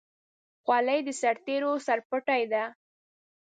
خولۍ د سرتېرو سرپټۍ ده.